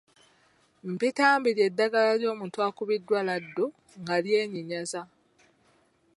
Mpitambi ly’eddagala ly’omuntu akubiddwa laddu nga lyenyinyaza.